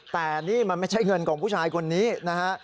แต่นี่มันไม่ใช่เงินของผู้ชายคนนี้นะฮะ